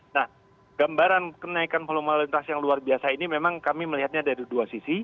nah gambaran kenaikan volume lalu lintas yang luar biasa ini memang kami melihatnya dari dua sisi